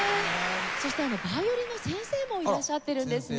そしてヴァイオリンの先生もいらっしゃってるんですね。